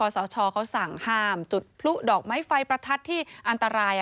สชเขาสั่งห้ามจุดพลุดอกไม้ไฟประทัดที่อันตราย